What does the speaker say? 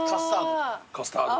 カスタード？